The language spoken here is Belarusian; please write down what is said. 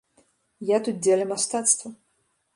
Я тут дзеля мастацтва.